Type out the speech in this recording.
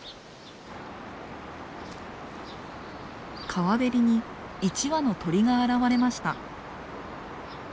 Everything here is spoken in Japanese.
川べりに１羽の鳥が現れました。